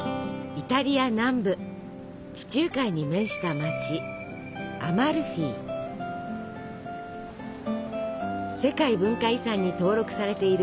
イタリア南部地中海に面した街世界文化遺産に登録されている